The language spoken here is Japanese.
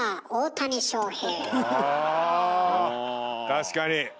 確かに！